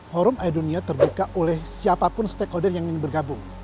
forum aedunia terbuka oleh siapapun stakeholder yang ingin bergabung